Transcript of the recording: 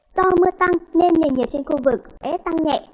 do mưa tăng nên nền nhiệt trên khu vực sẽ tăng nhẹ